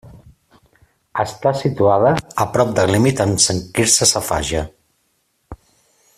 Està situada a prop del límit amb Sant Quirze Safaja.